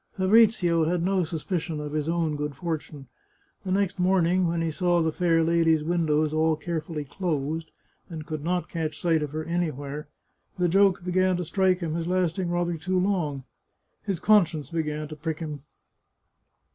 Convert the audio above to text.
Fabrizio had no suspicion of his own good fortune. The next morning, when he saw the fair lady's windows all care fully closed, and could not catch sight of her anywhere, the joke began to strike him as lasting rather too long. His conscience began to prick him.